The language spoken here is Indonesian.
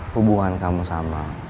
hubungan kamu sama